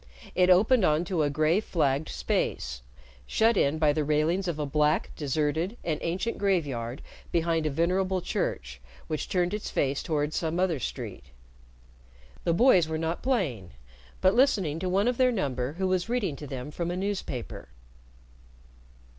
It opened on to a gray flagged space, shut in by the railings of a black, deserted, and ancient graveyard behind a venerable church which turned its face toward some other street. The boys were not playing, but listening to one of their number who was reading to them from a newspaper.